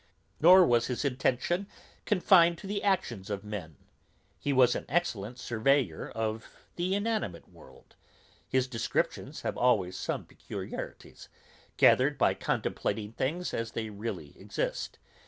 Nor was his attention confined to the actions of men; he was an exact surveyor of the inanimate world; his descriptions have always some peculiarities, gathered by contemplating things as they really exist.